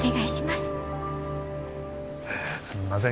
すんません